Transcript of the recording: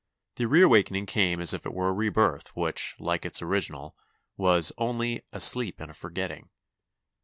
The reawakening came as if it were a rebirth which, like its original, was only "a sleep and a forgetting."